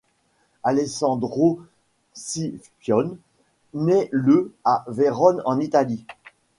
Alessandro Scipione naît le à Vérone en Italie.